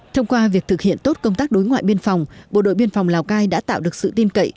thông qua việc thực hiện tốt công tác đối ngoại biên phòng bộ đội biên phòng lào cai đã tạo được sự tin cậy